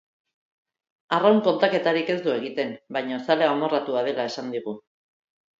Arraun kontaketarik ez du egiten, baina zale amorratua dela esan digu.